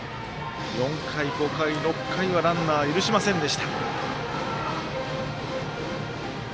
５回、６回ランナー許しませんでした